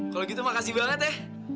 kalau gitu makasih banget ya